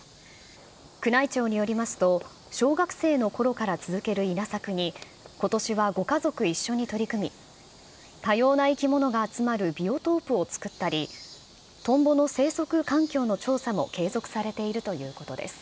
宮内庁によりますと、小学生のころから続ける稲作に、ことしはご家族一緒に取り組み、多様な生き物が集まるビオトープを作ったり、トンボの生息環境の調査も継続されているということです。